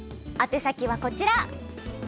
あて先はこちら。